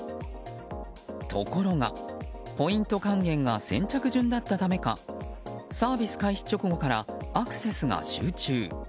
ところがポイント還元が先着順だったためかサービス開始直後からアクセスが集中。